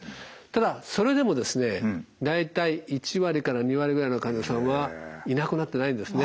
ただそれでも大体１割から２割ぐらいの患者さんはいなくなってないんですね。